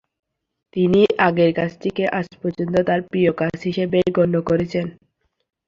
তিনি আগের কাজটিকে আজ পর্যন্ত তার প্রিয় কাজ হিসাবে গণ্য করেছেন।